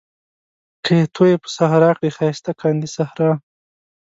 که يې تويې په صحرا کړې ښايسته کاندي صحرا